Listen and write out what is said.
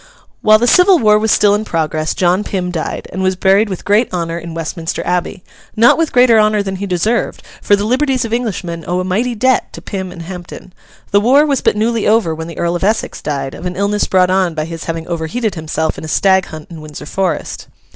While the Civil War was still in progress, John Pym died, and was buried with great honour in Westminster Abbey—not with greater honour than he deserved, for the liberties of Englishmen owe a mighty debt to Pym and Hampden. The war was but newly over when the Earl of Essex died, of an illness brought on by his having overheated himself in a stag hunt in Windsor Forest.